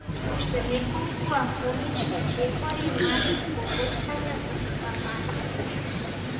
Уште неколку афонични чекори и мали скокоткања врз табаните.